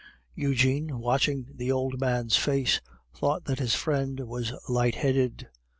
Eugene, watching the old man's face, thought that his friend was light headed.